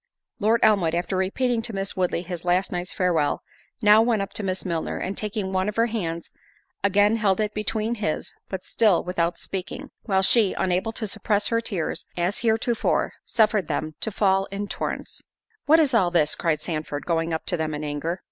Lord Elmwood, after repeating to Miss Woodley his last night's farewell, now went up to Miss Milner, and taking one of her hands, again held it between his, but still without speaking—while she, unable to suppress her tears as heretofore, suffered them to fall in torrents. "What is all this?" cried Sandford, going up to them in anger.